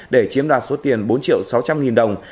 để chiếm đoạt số tiền bốn triệu sáu trăm linh nghìn đồng